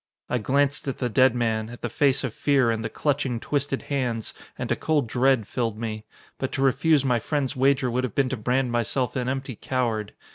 I glanced at the dead man, at the face of fear and the clutching, twisted hands, and a cold dread filled me. But to refuse my friend's wager would have been to brand myself an empty coward.